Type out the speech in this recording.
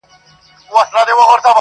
چي په سختو بدو ورځو د بلا مخ ته دریږي!.